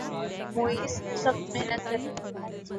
معیز سخت محنت کر رہا ہے